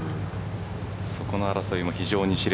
そこの争いも非常に熾烈。